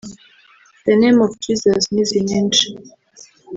‘The name of Jesus’ n’izindi nyinshi